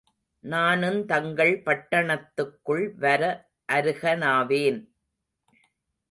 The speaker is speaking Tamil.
நானுந் தங்கள் பட்டணத்துக்குள் வர அருகனாவேன்.